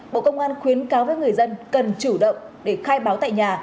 bộ công an khuyến cáo với người dân cần chủ động để khai báo tại nhà